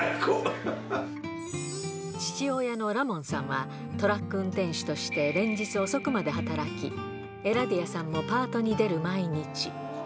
父親のラモンさんは、トラック運転手として連日遅くまで働き、エラディアさんもパートに出る毎日。